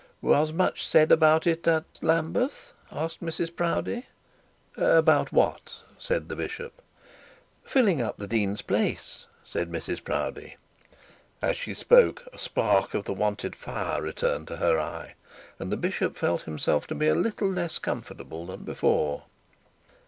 'Was much said about it at ?' asked Mrs Proudie. 'About what?' said the bishop. 'Filling up the dean's place,' said Mrs Proudie. As she spoke a spark of the wonted fire returned to her eye, and the bishop felt himself to be a little less comfortable than before.